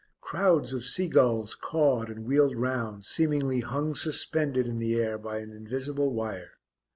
Crowds of sea gulls cawed and wheeled round, seemingly hung suspended in the air by an invisible wire.